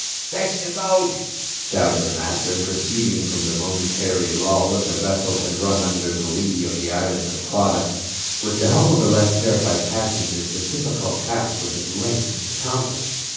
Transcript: " Fetch in the boat," shouted the master, perceiving from the momentary lull that the vessel had run under the lee of the island of Clauda. With the help of the less terrified passengers this difficult task was at length accomplished.